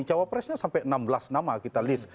cawapresnya sampai enam belas nama kita list